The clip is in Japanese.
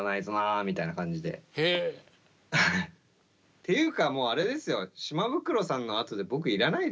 っていうかもうあれですよ